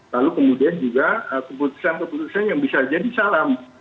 lalu kemudian juga keputusan keputusan yang bisa jadi salam